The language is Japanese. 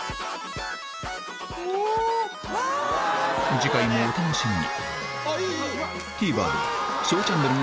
次回もお楽しみに。